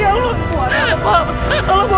ya allah ya allah bang